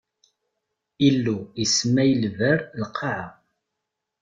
Illu isemma i lberr: lqaɛa.